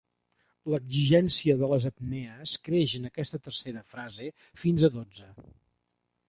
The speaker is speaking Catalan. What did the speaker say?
L'exigència de les apnees creix en aquesta tercera frase, fins a dotze.